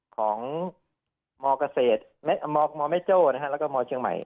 ของมเกษตรมแม่โจ้แล้วก็มเชียงใหม่